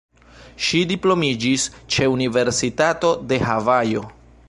Ŝi diplomiĝis ĉe Universitato de Havajo.